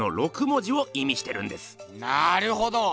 なるほど！